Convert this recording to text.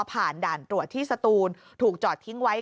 ด่านตรวจที่สตูนถูกจอดทิ้งไว้